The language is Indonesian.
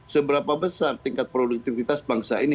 seberapa besar tingkat produktivitas bangsa ini